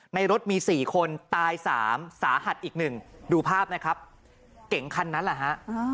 ในรถมี๔คนตายสามสาหัสอีกหนึ่งดูภาพนะครับเก่งคันนั้นแหละฮะ